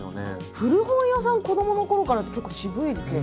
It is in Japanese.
古本屋さん、子どものころからって結構渋いですね。